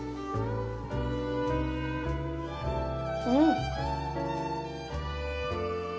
うん。